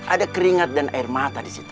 ada keringat dan air mata disitu